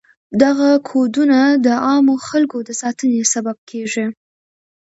دغه کودونه د عامو خلکو د ساتنې سبب کیږي.